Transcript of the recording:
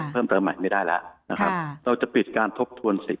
เพิ่มเติมใหม่ไม่ได้แล้วเราจะปิดการทบทวนศิษย์